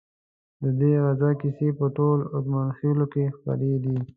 ددې غزا کیسې په ټولو اتمانخيلو کې خپرې دي.